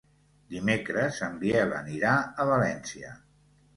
Dimecres en Biel anirà a València.